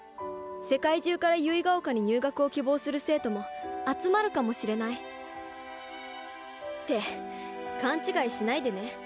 世界中から結ヶ丘に入学を希望する生徒も集まるかもしれない。って勘違いしないでね。